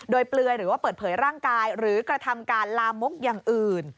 โดยเปลือยหรือว่าเปิดเผยร่างกายหรือกระทำการลามกอย่างอื่น